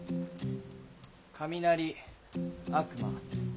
「雷」「悪魔」。